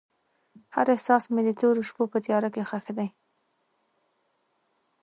هر احساس مې د تیرو شپو په تیاره کې ښخ دی.